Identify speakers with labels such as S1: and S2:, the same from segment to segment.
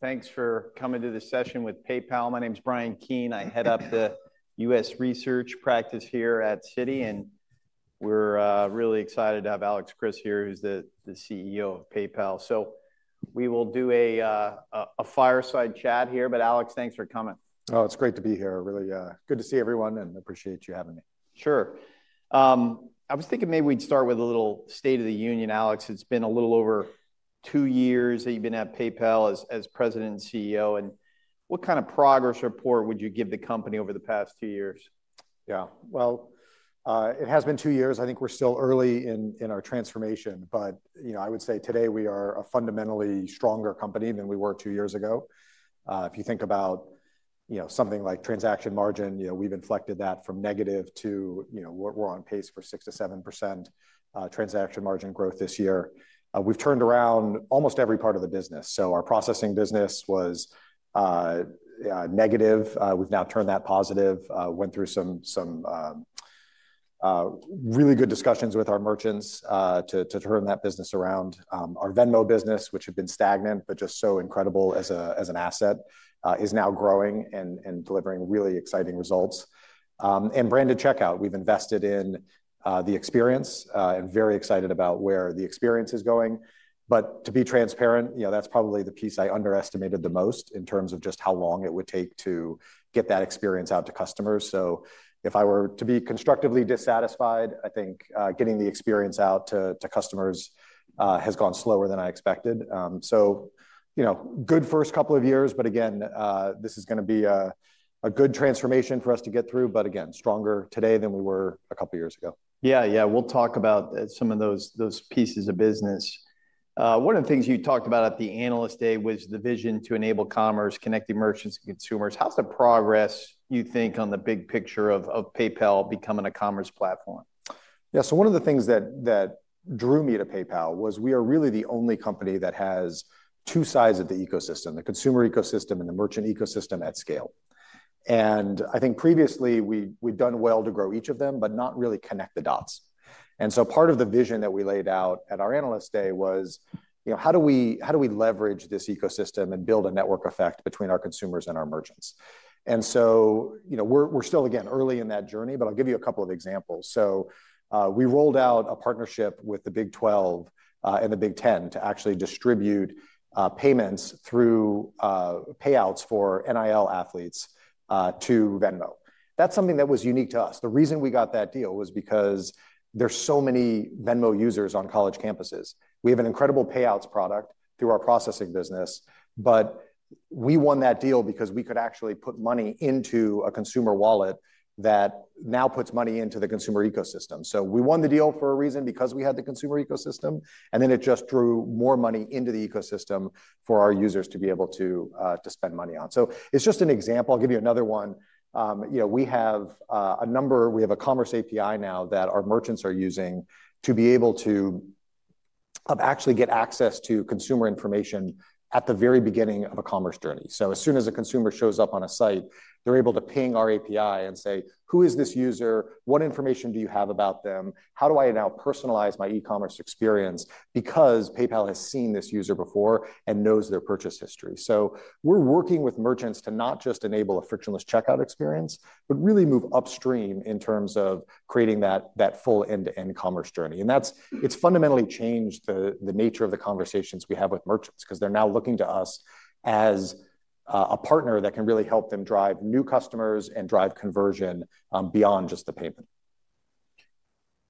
S1: Thanks for coming to this session with PayPal. My name's Brian Keene. I head up the U.S. research practice here at Citi, and we're really excited to have Alex Chriss here, who's the CEO of PayPal. So we will do a fireside chat here, but Alex, thanks for coming.
S2: Oh, it's great to be here. Really good to see everyone and appreciate you having me.
S1: Sure. I was thinking maybe we'd start with a little state of the union, Alex. It's been a little over two years that you've been at PayPal as president and CEO, and what kind of progress report would you give the company over the past two years?
S2: Yeah, well, it has been two years. I think we're still early in our transformation, but I would say today we are a fundamentally stronger company than we were two years ago. If you think about something like transaction margin, we've inflected that from negative to we're on pace for 6% to 7% transaction margin growth this year. We've turned around almost every part of the business. So our processing business was negative. We've now turned that positive. Went through some really good discussions with our merchants to turn that business around. Our Venmo business, which had been stagnant but just so incredible as an asset, is now growing and delivering really exciting results. And branded checkout, we've invested in the experience and very excited about where the experience is going. But to be transparent, that's probably the piece I underestimated the most in terms of just how long it would take to get that experience out to customers. So if I were to be constructively dissatisfied, I think getting the experience out to customers has gone slower than I expected. So good first couple of years, but again, this is going to be a good transformation for us to get through, but again, stronger today than we were a couple of years ago.
S1: Yeah, yeah, we'll talk about some of those pieces of business. One of the things you talked about at the Analyst Day was the vision to enable commerce, connecting merchants and consumers. How's the progress, you think, on the big picture of PayPal becoming a commerce platform?
S2: Yeah, so one of the things that drew me to PayPal was we are really the only company that has two sides of the ecosystem, the consumer ecosystem and the merchant ecosystem at scale. And I think previously we'd done well to grow each of them, but not really connect the dots. And so part of the vision that we laid out at our Analyst Day was how do we leverage this ecosystem and build a network effect between our consumers and our merchants? And so we're still, again, early in that journey, but I'll give you a couple of examples. So we rolled out a partnership with the Big 12 and the Big 10 to actually distribute payments through payouts for NIL athletes to Venmo. That's something that was unique to us. The reason we got that deal was because there's so many Venmo users on college campuses. We have an incredible payouts product through our processing business, but we won that deal because we could actually put money into a consumer wallet that now puts money into the consumer ecosystem. So we won the deal for a reason, because we had the consumer ecosystem, and then it just drew more money into the ecosystem for our users to be able to spend money on. So it's just an example. I'll give you another one. We have a number, we have a commerce API now that our merchants are using to be able to actually get access to consumer information at the very beginning of a commerce journey. So as soon as a consumer shows up on a site, they're able to ping our API and say, "Who is this user? What information do you have about them? How do I now personalize my e-commerce experience?" Because PayPal has seen this user before and knows their purchase history. So we're working with merchants to not just enable a frictionless checkout experience, but really move upstream in terms of creating that full end-to-end commerce journey. And it's fundamentally changed the nature of the conversations we have with merchants because they're now looking to us as a partner that can really help them drive new customers and drive conversion beyond just the payment.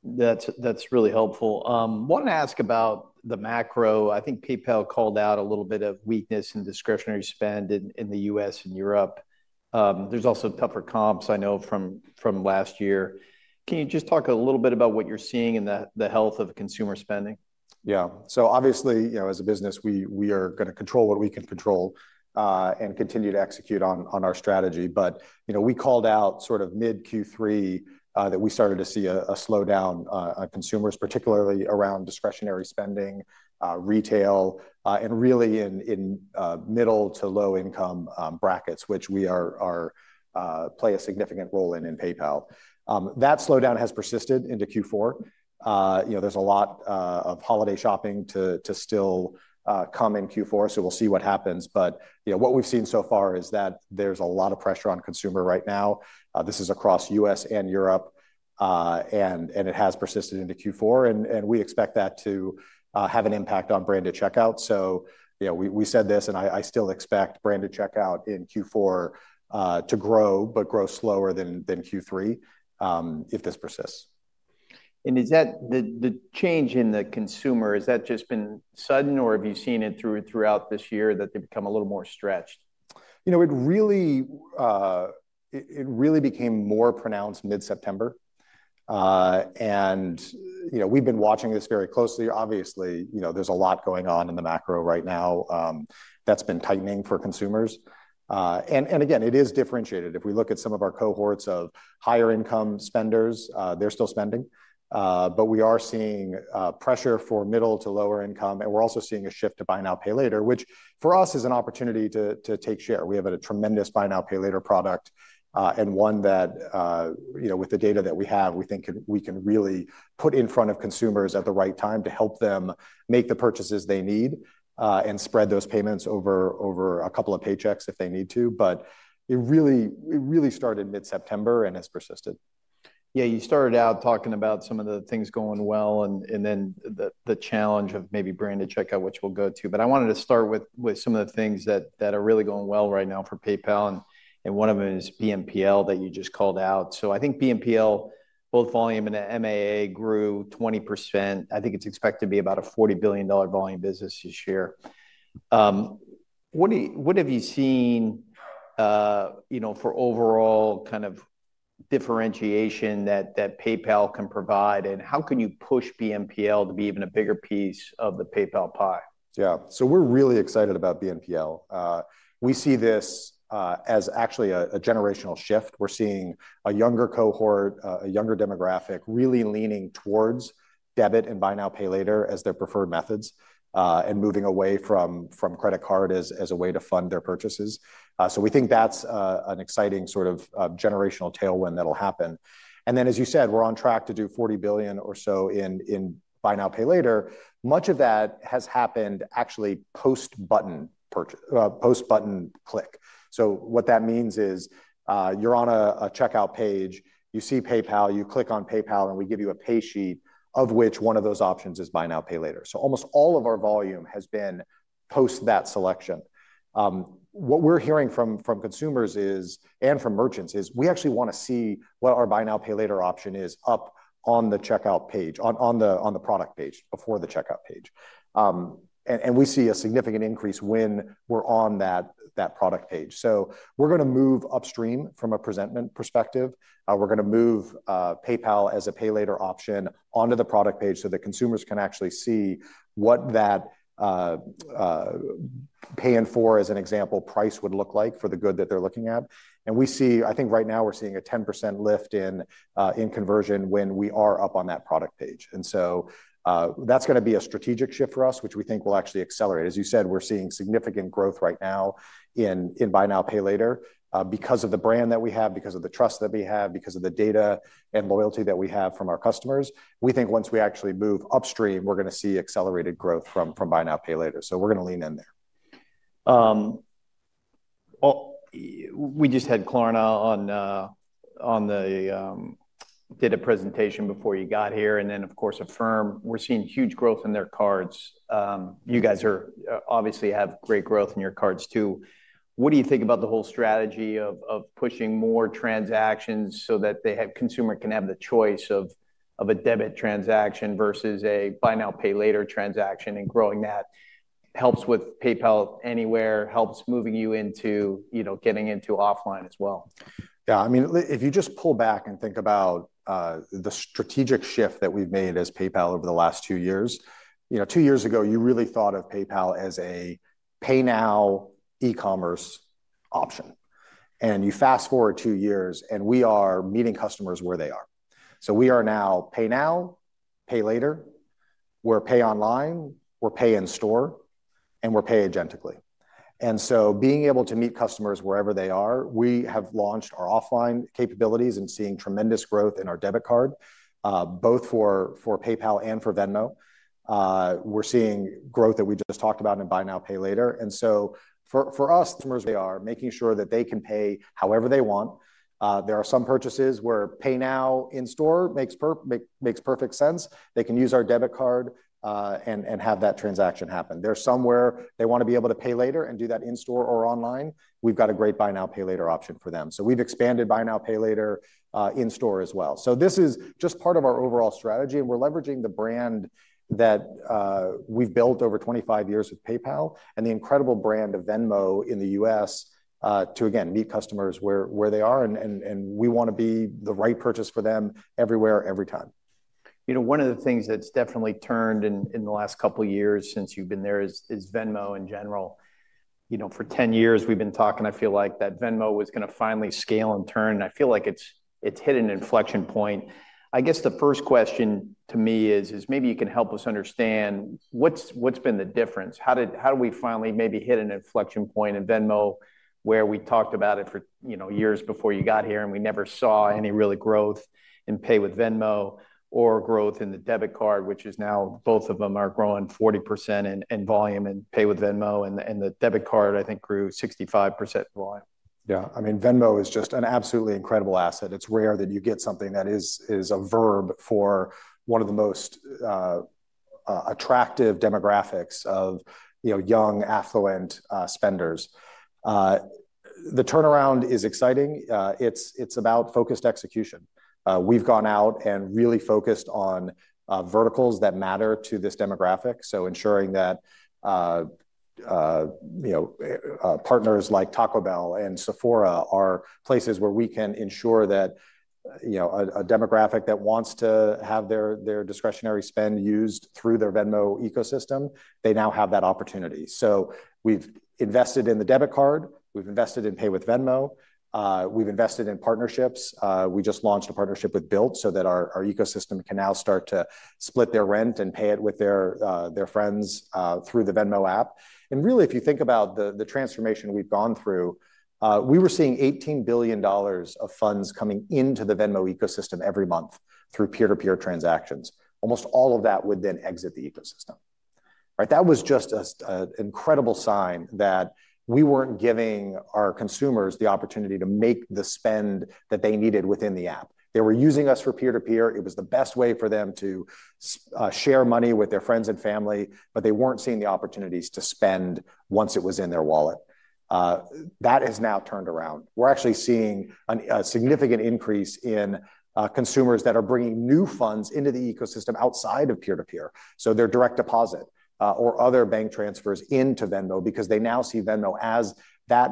S1: That's really helpful. I want to ask about the macro. I think PayPal called out a little bit of weakness in discretionary spend in the U.S. and Europe. There's also tougher comps, I know, from last year. Can you just talk a little bit about what you're seeing in the health of consumer spending?
S2: Yeah, so obviously, as a business, we are going to control what we can control and continue to execute on our strategy. But we called out sort of mid Q3 that we started to see a slowdown on consumers, particularly around discretionary spending, retail, and really in middle to low-income brackets, which we play a significant role in PayPal. That slowdown has persisted into Q4. There's a lot of holiday shopping to still come in Q4, so we'll see what happens. But what we've seen so far is that there's a lot of pressure on consumer right now. This is across U.S. and Europe, and it has persisted into Q4, and we expect that to have an impact on branded checkout. So we said this, and I still expect branded checkout in Q4 to grow, but grow slower than Q3 if this persists.
S1: And is that the change in the consumer, has that just been sudden, or have you seen it throughout this year that they've become a little more stretched?
S2: You know, it really became more pronounced mid-September. And we've been watching this very closely. Obviously, there's a lot going on in the macro right now that's been tightening for consumers. And again, it is differentiated. If we look at some of our cohorts of higher-income spenders, they're still spending, but we are seeing pressure for middle to lower-income, and we're also seeing a shift to buy now, pay later, which for us is an opportunity to take share. We have a tremendous buy now, pay later product and one that, with the data that we have, we think we can really put in front of consumers at the right time to help them make the purchases they need and spread those payments over a couple of paychecks if they need to. But it really started mid-September and has persisted.
S1: Yeah, you started out talking about some of the things going well and then the challenge of maybe branded checkout, which we'll go to. But I wanted to start with some of the things that are really going well right now for PayPal, and one of them is BNPL that you just called out. So I think BNPL, both volume and MAA, grew 20%. I think it's expected to be about a $40 billion volume business this year. What have you seen for overall kind of differentiation that PayPal can provide, and how can you push BNPL to be even a bigger piece of the PayPal pie?
S2: Yeah, so we're really excited about BNPL. We see this as actually a generational shift. We're seeing a younger cohort, a younger demographic really leaning towards debit and buy now, pay later as their preferred methods and moving away from credit card as a way to fund their purchases. So we think that's an exciting sort of generational tailwind that'll happen. And then, as you said, we're on track to do $40 billion or so in buy now, pay later. Much of that has happened actually post-button click. So what that means is you're on a checkout page, you see PayPal, you click on PayPal, and we give you a pay sheet of which one of those options is buy now, pay later. So almost all of our volume has been post that selection. What we're hearing from consumers and from merchants is we actually want to see what our buy now, pay later option is up on the checkout page, on the product page before the checkout page. And we see a significant increase when we're on that product page. So we're going to move upstream from a presentment perspective. We're going to move PayPal as a pay later option onto the product page so that consumers can actually see what that pay in for, as an example, price would look like for the good that they're looking at. And we see, I think right now we're seeing a 10% lift in conversion when we are up on that product page. And so that's going to be a strategic shift for us, which we think will actually accelerate. As you said, we're seeing significant growth right now in buy now, pay later because of the brand that we have, because of the trust that we have, because of the data and loyalty that we have from our customers. We think once we actually move upstream, we're going to see accelerated growth from buy now, pay later. So we're going to lean in there.
S1: We just had Klarna on the data presentation before you got here, and then, of course, Affirm. We're seeing huge growth in their cards. You guys obviously have great growth in your cards too. What do you think about the whole strategy of pushing more transactions so that the consumer can have the choice of a debit transaction versus a buy now, pay later transaction and growing that? Helps with PayPal anywhere, helps moving you into getting into offline as well?
S2: Yeah, I mean, if you just pull back and think about the strategic shift that we've made as PayPal over the last two years, two years ago, you really thought of PayPal as a pay now e-commerce option. And you fast forward two years, and we are meeting customers where they are. So we are now pay now, pay later. We're pay online, we're pay in store, and we're pay agentically. And so being able to meet customers wherever they are, we have launched our offline capabilities and seeing tremendous growth in our debit card, both for PayPal and for Venmo. We're seeing growth that we just talked about in buy now, pay later. And so for us, customers, they are making sure that they can pay however they want. There are some purchases where pay now in store makes perfect sense. They can use our debit card and have that transaction happen. There's somewhere they want to be able to pay later and do that in store or online. We've got a great buy now, pay later option for them. So we've expanded buy now, pay later in store as well. So this is just part of our overall strategy, and we're leveraging the brand that we've built over 25 years with PayPal and the incredible brand of Venmo in the U.S. to, again, meet customers where they are, and we want to be the right purchase for them everywhere, every time.
S1: One of the things that's definitely turned in the last couple of years since you've been there is Venmo in general. For 10 years, we've been talking, I feel like, that Venmo was going to finally scale and turn, and I feel like it's hit an inflection point. I guess the first question to me is, maybe you can help us understand what's been the difference. How did we finally maybe hit an inflection point in Venmo where we talked about it for years before you got here, and we never saw any really growth in pay with Venmo or growth in the debit card, which is now both of them are growing 40% in volume in pay with Venmo, and the debit card, I think, grew 65% in volume.
S2: Yeah, I mean, Venmo is just an absolutely incredible asset. It's rare that you get something that is a verb for one of the most attractive demographics of young, affluent spenders. The turnaround is exciting. It's about focused execution. We've gone out and really focused on verticals that matter to this demographic, so ensuring that partners like Taco Bell and Sephora are places where we can ensure that a demographic that wants to have their discretionary spend used through their Venmo ecosystem, they now have that opportunity. So we've invested in the debit card. We've invested in pay with Venmo. We've invested in partnerships. We just launched a partnership with Bilt so that our ecosystem can now start to split their rent and pay it with their friends through the Venmo app. And really, if you think about the transformation we've gone through, we were seeing $18 billion of funds coming into the Venmo ecosystem every month through peer-to-peer transactions. Almost all of that would then exit the ecosystem. That was just an incredible sign that we weren't giving our consumers the opportunity to make the spend that they needed within the app. They were using us for peer-to-peer. It was the best way for them to share money with their friends and family, but they weren't seeing the opportunities to spend once it was in their wallet. That has now turned around. We're actually seeing a significant increase in consumers that are bringing new funds into the ecosystem outside of peer-to-peer, so their direct deposit or other bank transfers into Venmo because they now see Venmo as that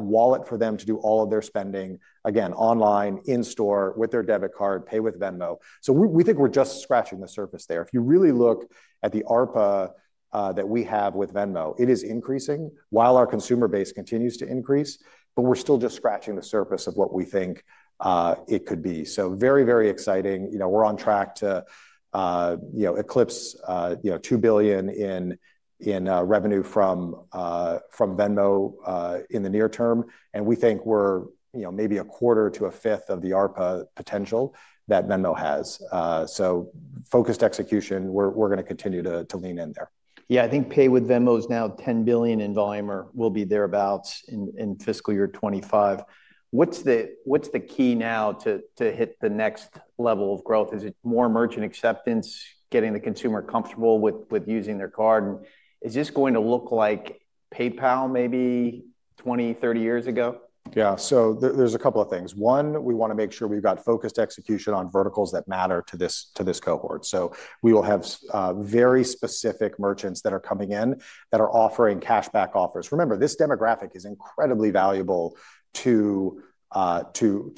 S2: wallet for them to do all of their spending, again, online, in store with their debit card, pay with Venmo. So we think we're just scratching the surface there. If you really look at the ARPA that we have with Venmo, it is increasing while our consumer base continues to increase, but we're still just scratching the surface of what we think it could be. So very, very exciting. We're on track to eclipse $2 billion in revenue from Venmo in the near term, and we think we're maybe a quarter to a fifth of the ARPA potential that Venmo has. So focused execution, we're going to continue to lean in there.
S1: Yeah, I think pay with Venmo is now $10 billion in volume or will be thereabouts in fiscal year '25. What's the key now to hit the next level of growth? Is it more merchant acceptance, getting the consumer comfortable with using their card? And is this going to look like PayPal maybe 20, 30 years ago?
S2: Yeah, so there's a couple of things. One, we want to make sure we've got focused execution on verticals that matter to this cohort. So we will have very specific merchants that are coming in that are offering cashback offers. Remember, this demographic is incredibly valuable to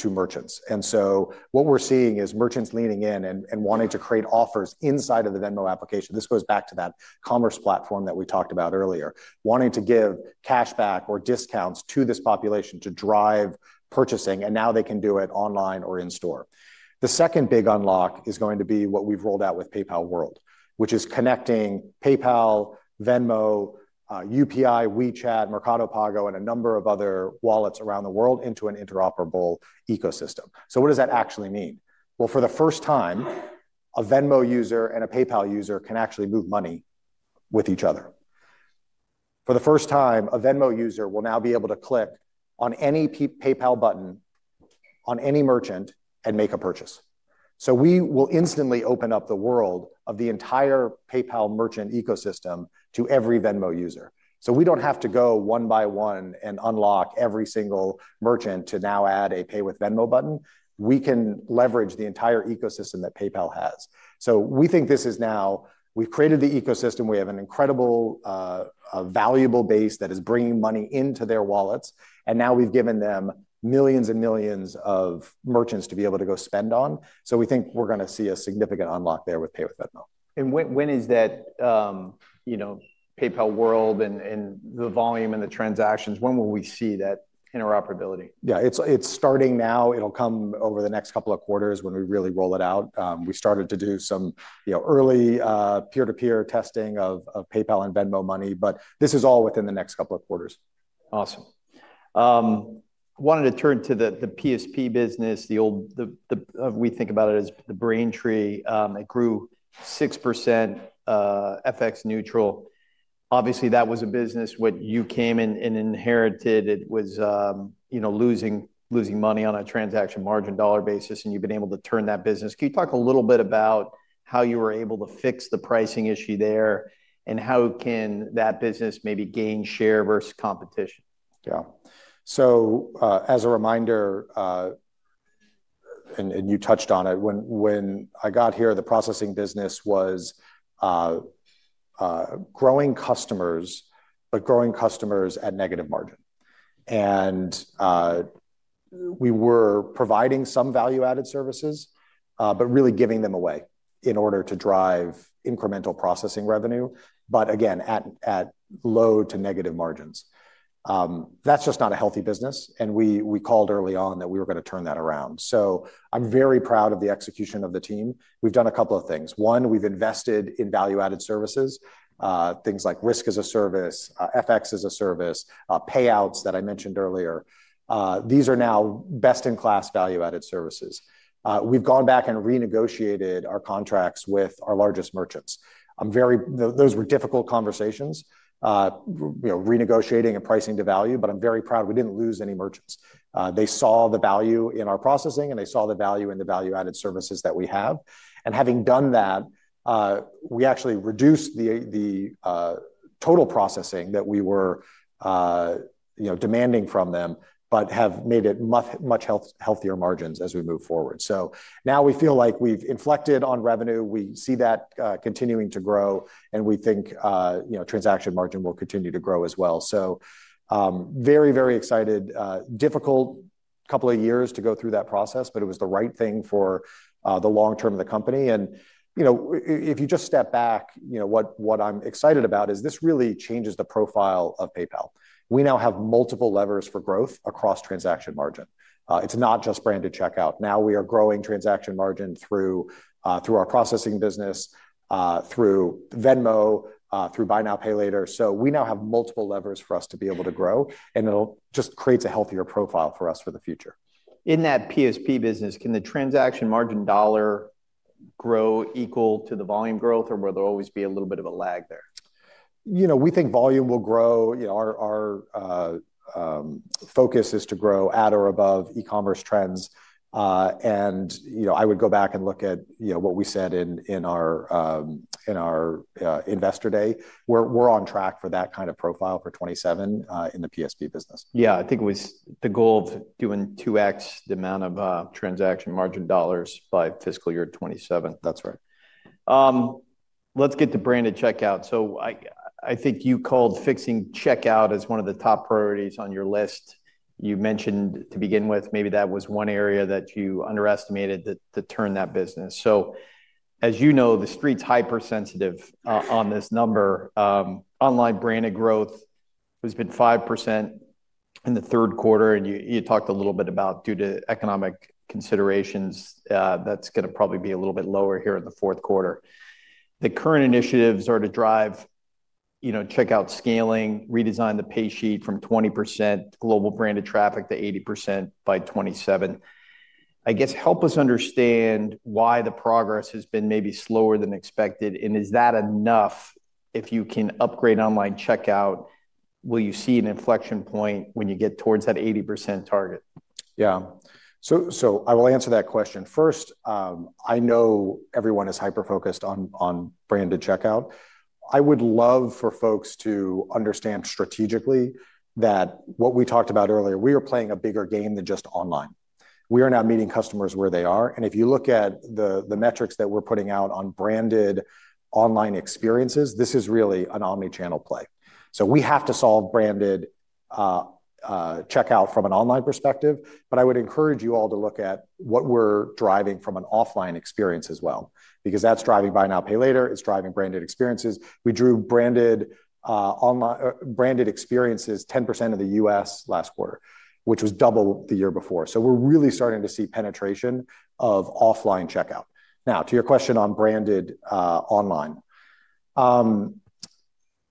S2: merchants. And so what we're seeing is merchants leaning in and wanting to create offers inside of the Venmo application. This goes back to that commerce platform that we talked about earlier, wanting to give cashback or discounts to this population to drive purchasing, and now they can do it online or in store. The second big unlock is going to be what we've rolled out with PayPal World, which is connecting PayPal, Venmo, UPI, WeChat, Mercado Pago, and a number of other wallets around the world into an interoperable ecosystem. So what does that actually mean? Well, for the first time, a Venmo user and a PayPal user can actually move money with each other. For the first time, a Venmo user will now be able to click on any PayPal button on any merchant and make a purchase. So we will instantly open up the world of the entire PayPal merchant ecosystem to every Venmo user. So we don't have to go one by one and unlock every single merchant to now add a pay with Venmo button. We can leverage the entire ecosystem that PayPal has. So we think this is now we've created the ecosystem. We have an incredible, valuable base that is bringing money into their wallets, and now we've given them millions and millions of merchants to be able to go spend on. So we think we're going to see a significant unlock there with pay with Venmo.
S1: And when is that PayPal World and the volume and the transactions? When will we see that interoperability?
S2: Yeah, it's starting now. It'll come over the next couple of quarters when we really roll it out. We started to do some early peer-to-peer testing of PayPal and Venmo money, but this is all within the next couple of quarters.
S1: Awesome. I wanted to turn to the PSP business, the old we think about it as the brain tree. It grew 6% FX neutral. Obviously, that was a business when you came and inherited. It was losing money on a transaction margin dollar basis, and you've been able to turn that business. Can you talk a little bit about how you were able to fix the pricing issue there and how can that business maybe gain share versus competition?
S2: Yeah. So as a reminder, and you touched on it, when I got here, the processing business was growing customers, but growing customers at negative margin. And we were providing some value-added services, but really giving them away in order to drive incremental processing revenue, but again, at low to negative margins. That's just not a healthy business, and we called early on that we were going to turn that around. So I'm very proud of the execution of the team. We've done a couple of things. One, we've invested in value-added services, things like risk as a service, FX as a service, payouts that I mentioned earlier. These are now best-in-class value-added services. We've gone back and renegotiated our contracts with our largest merchants. Those were difficult conversations, renegotiating and pricing to value, but I'm very proud we didn't lose any merchants. They saw the value in our processing, and they saw the value in the value-added services that we have. And having done that, we actually reduced the total processing that we were demanding from them, but have made it much healthier margins as we move forward. So now we feel like we've inflected on revenue. We see that continuing to grow, and we think transaction margin will continue to grow as well. So very, very excited. Difficult couple of years to go through that process, but it was the right thing for the long term of the company. And if you just step back, what I'm excited about is this really changes the profile of PayPal. We now have multiple levers for growth across transaction margin. It's not just branded checkout. Now we are growing transaction margin through our processing business, through Venmo, through buy now, pay later. So we now have multiple levers for us to be able to grow, and it just creates a healthier profile for us for the future.
S1: In that PSP business, can the transaction margin dollar grow equal to the volume growth, or will there always be a little bit of a lag there?
S2: We think volume will grow. Our focus is to grow at or above e-commerce trends. And I would go back and look at what we said in our investor day. We're on track for that kind of profile for '27 in the PSP business.
S1: Yeah, I think it was the goal of doing 2X the amount of transaction margin dollars by fiscal year '27.
S2: That's right.
S1: Let's get to branded checkout. So I think you called fixing checkout as one of the top priorities on your list. You mentioned to begin with, maybe that was one area that you underestimated to turn that business. So as you know, the street's hypersensitive on this number. Online branded growth has been 5% in the third quarter, and you talked a little bit about due to economic considerations, that's going to probably be a little bit lower here in the fourth quarter. The current initiatives are to drive checkout scaling, redesign the pay sheet from 20% global branded traffic to 80% by '27. I guess help us understand why the progress has been maybe slower than expected, and is that enough? If you can upgrade online checkout, will you see an inflection point when you get towards that 80% target?
S2: Yeah. So I will answer that question. First, I know everyone is hyper-focused on branded checkout. I would love for folks to understand strategically that what we talked about earlier, we are playing a bigger game than just online. We are now meeting customers where they are. And if you look at the metrics that we're putting out on branded online experiences, this is really an omnichannel play. So we have to solve branded checkout from an online perspective, but I would encourage you all to look at what we're driving from an offline experience as well, because that's driving buy now, pay later. It's driving branded experiences. We drew branded experiences 10% of the U.S. last quarter, which was double the year before. So we're really starting to see penetration of offline checkout. Now, to your question on branded online,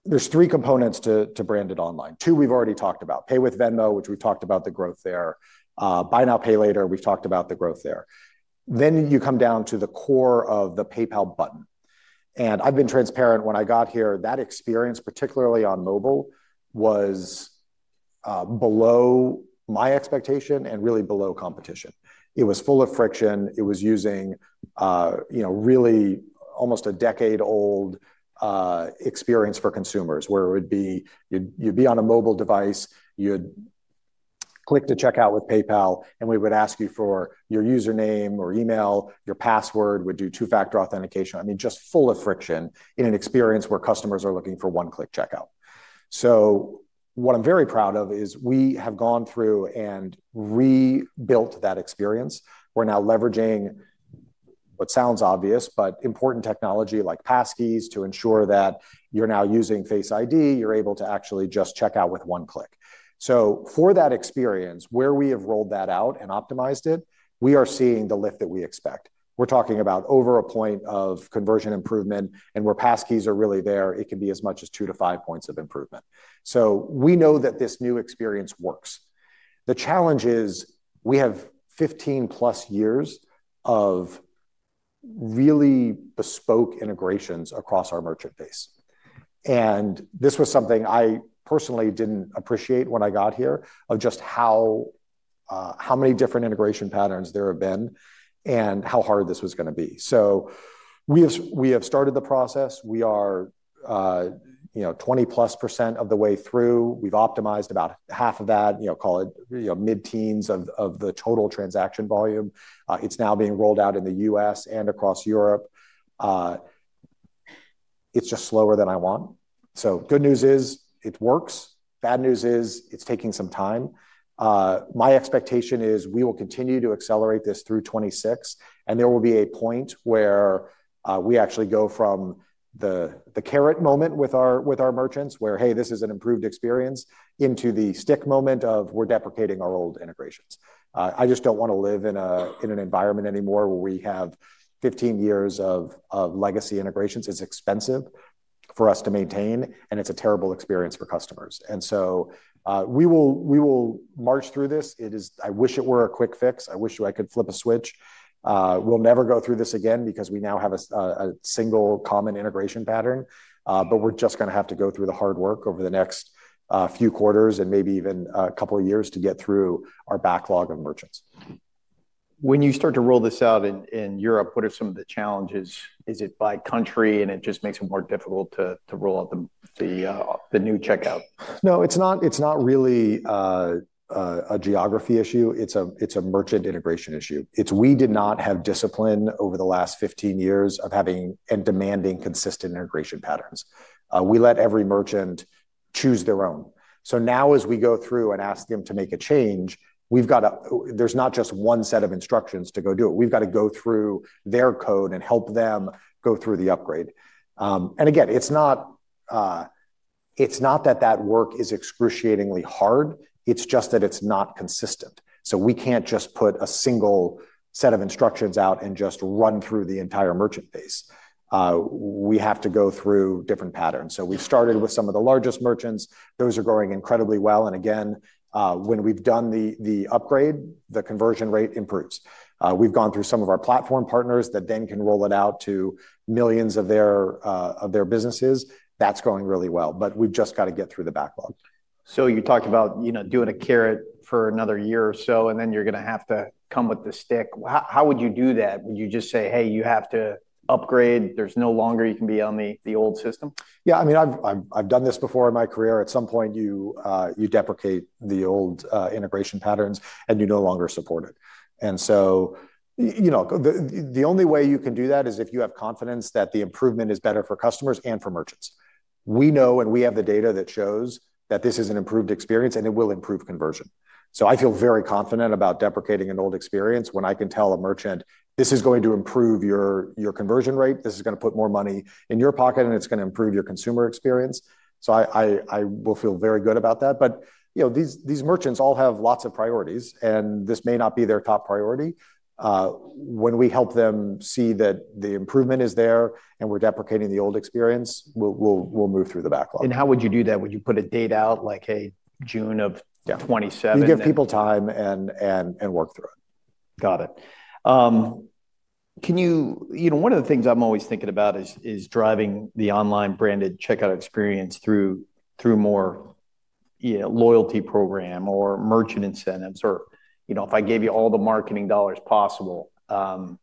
S2: there's three components to branded online. Two we've already talked about: pay with Venmo, which we've talked about the growth there. Buy now, pay later, we've talked about the growth there. Then you come down to the core of the PayPal button. And I've been transparent when I got here, that experience, particularly on mobile, was below my expectation and really below competition. It was full of friction. It was using really almost a decade-old experience for consumers, where it would be you'd be on a mobile device, you'd click to checkout with PayPal, and we would ask you for your username or email, your password, would do two-factor authentication. I mean, just full of friction in an experience where customers are looking for one-click checkout. So what I'm very proud of is we have gone through and rebuilt that experience. We're now leveraging what sounds obvious, but important technology like passkeys to ensure that you're now using Face ID, you're able to actually just checkout with one click. So for that experience, where we have rolled that out and optimized it, we are seeing the lift that we expect. We're talking about over a point of conversion improvement, and where passkeys are really there, it can be as much as two to five points of improvement. So we know that this new experience works. The challenge is we have 15-plus years of really bespoke integrations across our merchant base. And this was something I personally didn't appreciate when I got here, of just how many different integration patterns there have been and how hard this was going to be. So we have started the process. We are 20-plus percent of the way through. We've optimized about half of that, call it mid-teens of the total transaction volume. It's now being rolled out in the U.S. and across Europe. It's just slower than I want. So good news is it works. Bad news is it's taking some time. My expectation is we will continue to accelerate this through '26, and there will be a point where we actually go from the carrot moment with our merchants where, hey, this is an improved experience into the stick moment of we're deprecating our old integrations. I just don't want to live in an environment anymore where we have 15 years of legacy integrations. It's expensive for us to maintain, and it's a terrible experience for customers. And so we will march through this. I wish it were a quick fix. I wish I could flip a switch. We'll never go through this again because we now have a single common integration pattern, but we're just going to have to go through the hard work over the next few quarters and maybe even a couple of years to get through our backlog of merchants.
S1: When you start to roll this out in Europe, what are some of the challenges? Is it by country, and it just makes it more difficult to roll out the new checkout?
S2: No, it's not really a geography issue. It's a merchant integration issue. We did not have discipline over the last 15 years of having and demanding consistent integration patterns. We let every merchant choose their own. So now as we go through and ask them to make a change, there's not just one set of instructions to go do it. We've got to go through their code and help them go through the upgrade. And again, it's not that that work is excruciatingly hard. It's just that it's not consistent. So we can't just put a single set of instructions out and just run through the entire merchant base. We have to go through different patterns. So we've started with some of the largest merchants. Those are going incredibly well. And again, when we've done the upgrade, the conversion rate improves. We've gone through some of our platform partners that then can roll it out to millions of their businesses. That's going really well, but we've just got to get through the backlog.
S1: So you talked about doing a carrot for another year or so, and then you're going to have to come with the stick. How would you do that? Would you just say, hey, you have to upgrade? There's no longer you can be on the old system?
S2: Yeah, I mean, I've done this before in my career. At some point, you deprecate the old integration patterns, and you no longer support it. And so the only way you can do that is if you have confidence that the improvement is better for customers and for merchants. We know and we have the data that shows that this is an improved experience, and it will improve conversion. So I feel very confident about deprecating an old experience when I can tell a merchant, this is going to improve your conversion rate. This is going to put more money in your pocket, and it's going to improve your consumer experience. So I will feel very good about that. But these merchants all have lots of priorities, and this may not be their top priority. When we help them see that the improvement is there and we're deprecating the old experience, we'll move through the backlog.
S1: And how would you do that? Would you put a date out like, hey, June of '27?
S2: Yeah, give people time and work through it.
S1: Got it. One of the things I'm always thinking about is driving the online branded checkout experience through more loyalty program or merchant incentives. Or if I gave you all the marketing dollars possible, can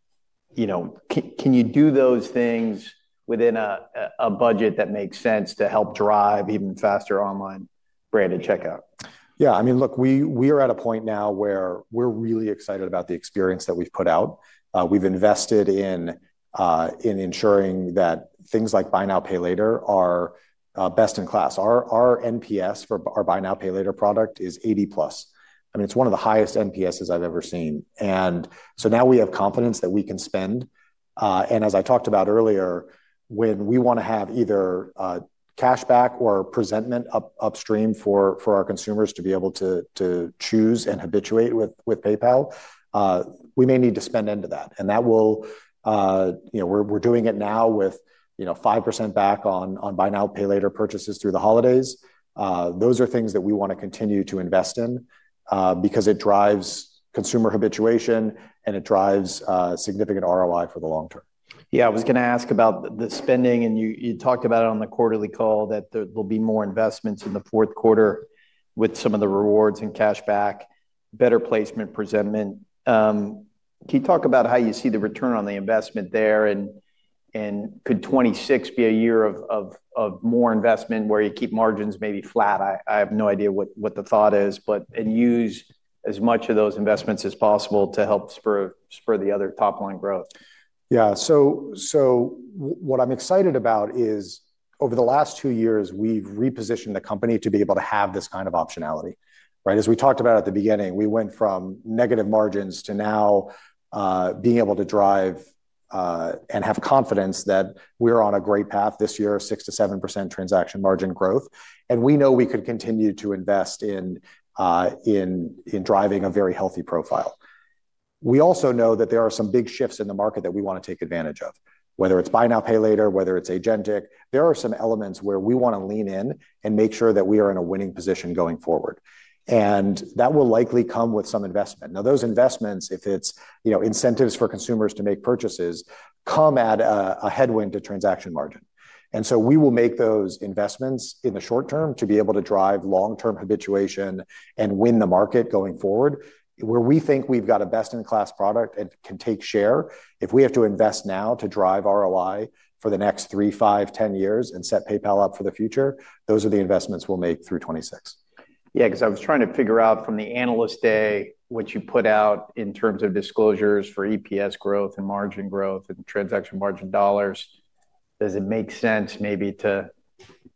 S1: you do those things within a budget that makes sense to help drive even faster online branded checkout?
S2: Yeah. I mean, look, we are at a point now where we're really excited about the experience that we've put out. We've invested in ensuring that things like buy now, pay later are best in class. Our NPS for our buy now, pay later product is 80-plus. I mean, it's one of the highest NPSs I've ever seen. And so now we have confidence that we can spend. And as I talked about earlier, when we want to have either cashback or presentment upstream for our consumers to be able to choose and habituate with PayPal, we may need to spend into that. And we're doing it now with 5% back on buy now, pay later purchases through the holidays. Those are things that we want to continue to invest in because it drives consumer habituation, and it drives significant ROI for the long term.
S1: Yeah, I was going to ask about the spending, and you talked about it on the quarterly call that there will be more investments in the fourth quarter with some of the rewards and cashback, better placement, presentment. Can you talk about how you see the return on the investment there? And could '26 be a year of more investment where you keep margins maybe flat? I have no idea what the thought is, but use as much of those investments as possible to help spur the other top-line growth.
S2: Yeah. So what I'm excited about is over the last two years, we've repositioned the company to be able to have this kind of optionality. As we talked about at the beginning, we went from negative margins to now being able to drive and have confidence that we're on a great path this year, 6% to 7% transaction margin growth. And we know we could continue to invest in driving a very healthy profile. We also know that there are some big shifts in the market that we want to take advantage of, whether it's buy now, pay later, whether it's agentic. There are some elements where we want to lean in and make sure that we are in a winning position going forward. And that will likely come with some investment. Now, those investments, if it's incentives for consumers to make purchases, come at a headwind to transaction margin. And so we will make those investments in the short term to be able to drive long-term habituation and win the market going forward. Where we think we've got a best-in-class product and can take share, if we have to invest now to drive ROI for the next 3, 5, 10 years and set PayPal up for the future, those are the investments we'll make through '26.
S1: Yeah, because I was trying to figure out from the analyst day what you put out in terms of disclosures for EPS growth and margin growth and transaction margin dollars. Does it make sense maybe to,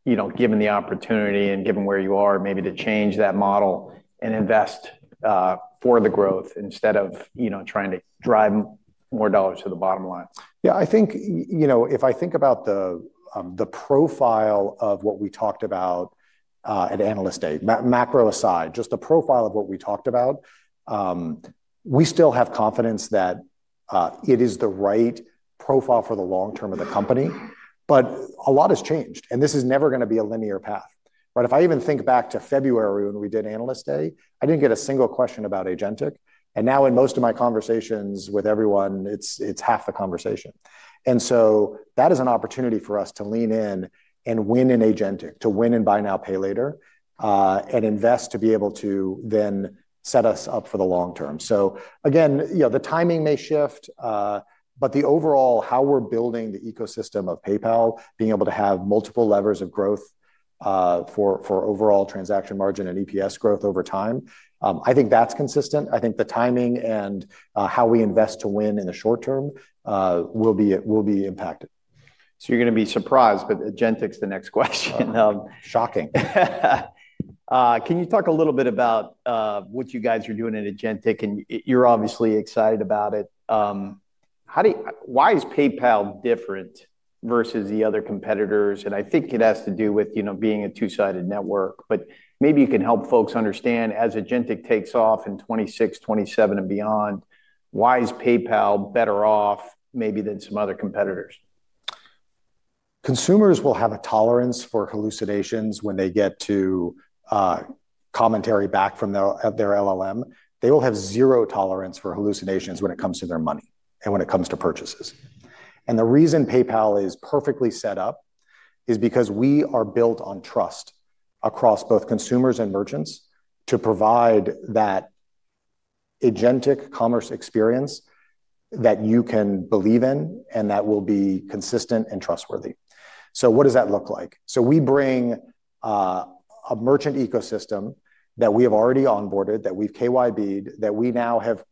S1: given the opportunity and given where you are, maybe to change that model and invest for the growth instead of trying to drive more dollars to the bottom line?
S2: Yeah, I think if I think about the profile of what we talked about at analyst day, macro aside, just the profile of what we talked about, we still have confidence that it is the right profile for the long term of the company. But a lot has changed, and this is never going to be a linear path. If I even think back to February when we did analyst day, I didn't get a single question about agentic. And now in most of my conversations with everyone, it's half the conversation. And so that is an opportunity for us to lean in and win in agentic, to win in buy now, pay later, and invest to be able to then set us up for the long term. So again, the timing may shift, but the overall how we're building the ecosystem of PayPal, being able to have multiple levers of growth for overall transaction margin and EPS growth over time, I think that's consistent. I think the timing and how we invest to win in the short term will be impacted.
S1: So you're going to be surprised, but agentic's the next question.
S2: Shocking.
S1: Can you talk a little bit about what you guys are doing at agentic? And you're obviously excited about it. Why is PayPal different versus the other competitors? And I think it has to do with being a two-sided network. But maybe you can help folks understand as agentic takes off in '26, '27, and beyond, why is PayPal better off maybe than some other competitors?
S2: Consumers will have a tolerance for hallucinations when they get to commentary back from their LLM. They will have zero tolerance for hallucinations when it comes to their money and when it comes to purchases. And the reason PayPal is perfectly set up is because we are built on trust across both consumers and merchants to provide that agentic commerce experience that you can believe in and that will be consistent and trustworthy. So what does that look like? So we bring a merchant ecosystem that we have already onboarded, that we've KYBed, that we now have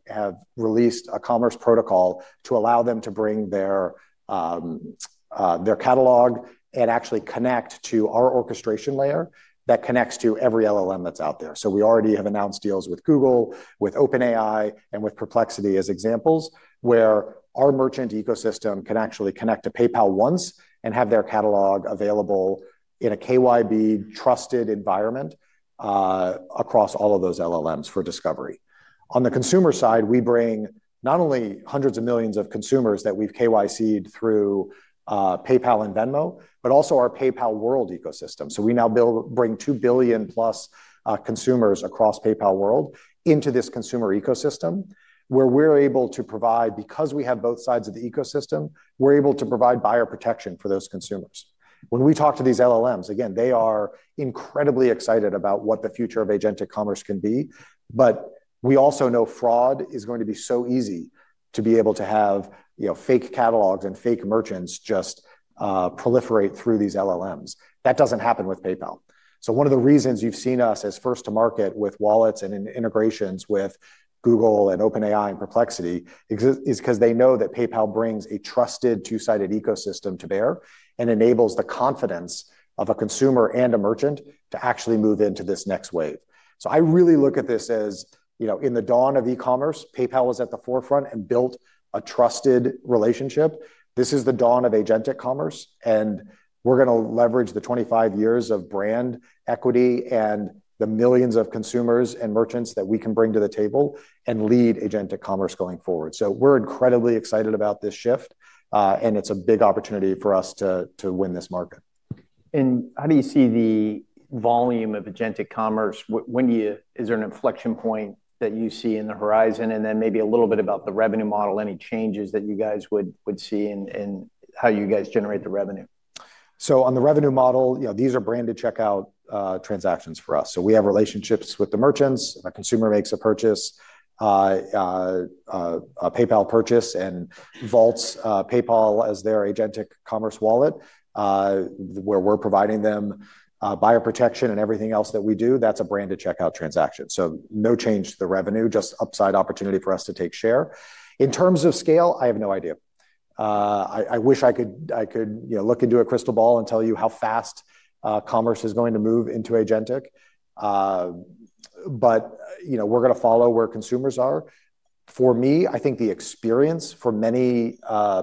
S2: released a commerce protocol to allow them to bring their catalog and actually connect to our orchestration layer that connects to every LLM that's out there. So we already have announced deals with Google, with OpenAI, and with Perplexity as examples where our merchant ecosystem can actually connect to PayPal once and have their catalog available in a KYB-trusted environment across all of those LLMs for discovery. On the consumer side, we bring not only hundreds of millions of consumers that we've KYC'd through PayPal and Venmo, but also our PayPal World ecosystem. So we now bring 2 billion-plus consumers across PayPal World into this consumer ecosystem where we're able to provide, because we have both sides of the ecosystem, we're able to provide buyer protection for those consumers. When we talk to these LLMs, again, they are incredibly excited about what the future of agentic commerce can be. But we also know fraud is going to be so easy to be able to have fake catalogs and fake merchants just proliferate through these LLMs. That doesn't happen with PayPal. So one of the reasons you've seen us as first to market with wallets and integrations with Google and OpenAI and Perplexity is because they know that PayPal brings a trusted two-sided ecosystem to bear and enables the confidence of a consumer and a merchant to actually move into this next wave. So I really look at this as in the dawn of e-commerce, PayPal was at the forefront and built a trusted relationship. This is the dawn of agentic commerce, and we're going to leverage the 25 years of brand equity and the millions of consumers and merchants that we can bring to the table and lead agentic commerce going forward. So we're incredibly excited about this shift, and it's a big opportunity for us to win this market.
S1: And how do you see the volume of agentic commerce? Is there an inflection point that you see on the horizon? And then maybe a little bit about the revenue model, any changes that you guys would see in how you guys generate the revenue?
S2: So on the revenue model, these are branded checkout transactions for us. So we have relationships with the merchants. A consumer makes a purchase, a PayPal purchase, and vaults PayPal as their agentic commerce wallet, where we're providing them buyer protection and everything else that we do, that's a branded checkout transaction. So no change to the revenue, just upside opportunity for us to take share. In terms of scale, I have no idea. I wish I could look into a crystal ball and tell you how fast commerce is going to move into agentic. But we're going to follow where consumers are. For me, I think the experience for many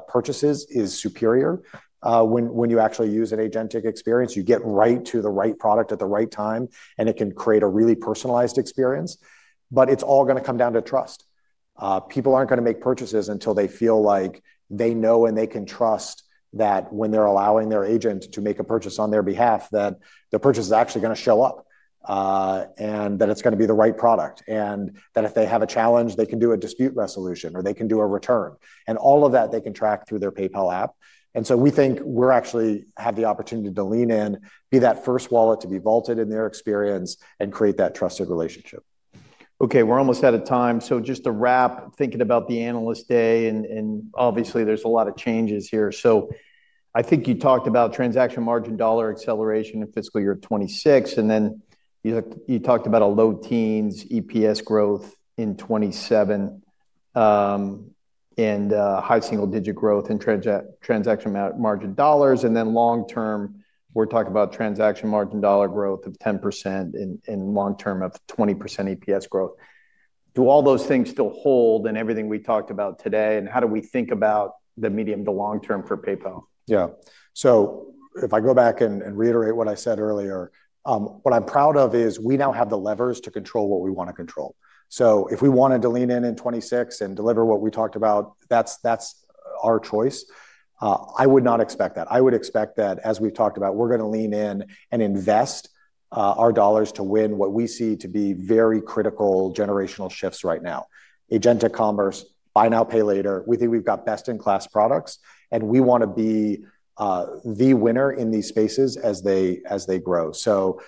S2: purchases is superior. When you actually use an agentic experience, you get right to the right product at the right time, and it can create a really personalized experience. But it's all going to come down to trust. People aren't going to make purchases until they feel like they know and they can trust that when they're allowing their agent to make a purchase on their behalf, that the purchase is actually going to show up and that it's going to be the right product, and that if they have a challenge, they can do a dispute resolution or they can do a return. And all of that, they can track through their PayPal app. And so we think we actually have the opportunity to lean in, be that first wallet to be vaulted in their experience, and create that trusted relationship.
S1: Okay, we're almost out of time. So just to wrap, thinking about the analyst day, and obviously, there's a lot of changes here. So I think you talked about transaction margin dollar acceleration in fiscal year '26, and then you talked about a low teens EPS growth in '27 and high single-digit growth in transaction margin dollars. And then long term, we're talking about transaction margin dollar growth of 10% and long term of 20% EPS growth. Do all those things still hold in everything we talked about today, and how do we think about the medium to long term for PayPal?
S2: Yeah. So if I go back and reiterate what I said earlier, what I'm proud of is we now have the levers to control what we want to control. So if we wanted to lean in in '26 and deliver what we talked about, that's our choice. I would not expect that. I would expect that as we've talked about, we're going to lean in and invest our dollars to win what we see to be very critical generational shifts right now. Agentic commerce, buy now, pay later. We think we've got best-in-class products, and we want to be the winner in these spaces as they grow. So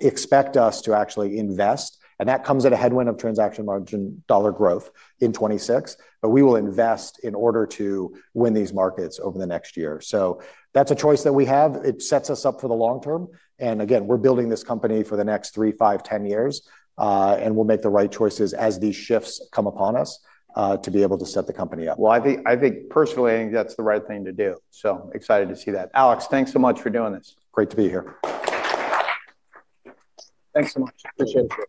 S2: expect us to actually invest. And that comes at a headwind of transaction margin dollar growth in '26, but we will invest in order to win these markets over the next year. So that's a choice that we have. It sets us up for the long term. And again, we're building this company for the next 3, 5, 10 years, and we'll make the right choices as these shifts come upon us to be able to set the company up.
S1: Well, I think personally, I think that's the right thing to do. So excited to see that. Alex, thanks so much for doing this.
S2: Great to be here.
S3: Thanks so much. Appreciate it.